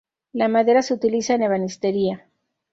La madera se utiliza en ebanistería.